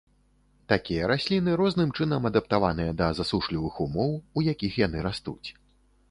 Такія расліны розным чынам адаптаваныя да засушлівых умоў, у якіх яны растуць.